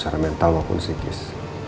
secara mental maupun psikis